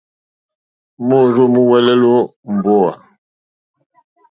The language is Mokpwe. Môrzô múúŋwɛ̀lɛ̀ èmbówà.